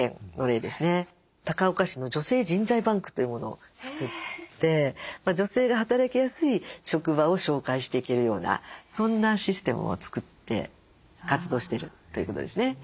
高岡市の女性人材バンクというものを作って女性が働きやすい職場を紹介していけるようなそんなシステムを作って活動してるということですね。